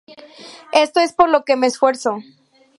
Esto es por lo que me esfuerzo.